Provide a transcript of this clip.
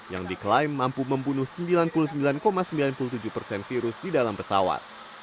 yang diklaim mampu membunuh sembilan puluh sembilan sembilan puluh tujuh persen virus di dalam pesawat